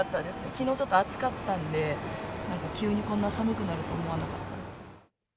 きのうちょっと暑かったので、なんか急にこんな寒くなるとは思わなかったんです。